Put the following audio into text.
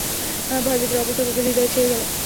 ভয় ভীতির অবস্থা তাদের হৃদয়ে ছেয়ে গেল।